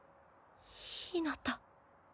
ひなた。